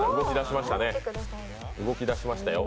動き出しましたよ。